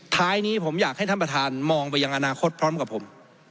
ท้ายนี้ผมอยากให้ท่านประธานมองไปยังอนาคตพร้อมกับผม